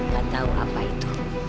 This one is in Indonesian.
gak tau apa itu